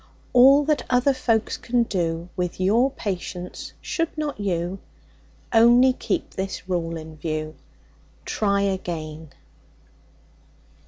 All that other folks can do, With your patience should not you? Only keep this rule in view Try again.